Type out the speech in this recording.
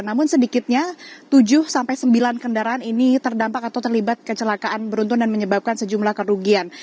namun sedikitnya tujuh sembilan kendaraan ini terdampak atau terlibat kecelakaan beruntun dan menyebabkan sejumlah kerugian